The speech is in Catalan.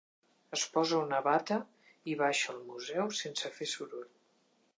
Es posa una bata i baixa al museu sense fer soroll.